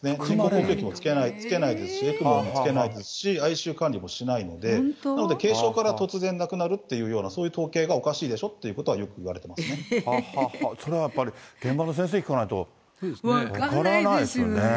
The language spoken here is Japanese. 呼吸器もつけないし、ＥＣＭＯもつけないですし、ＩＣＵ管理もしないので、軽症から突然亡くなるっていうような、そういう統計がおかしいでしょっていうことは、それはやっぱり現場の先生に分からないですね。